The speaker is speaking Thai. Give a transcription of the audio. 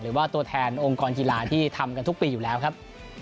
หรือว่าตัวแทนองค์กรกีฬาที่ทำกันทุกปีอยู่แล้วครับ